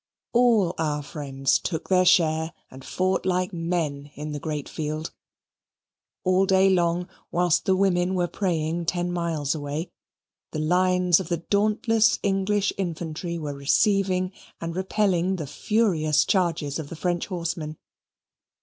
All our friends took their share and fought like men in the great field. All day long, whilst the women were praying ten miles away, the lines of the dauntless English infantry were receiving and repelling the furious charges of the French horsemen.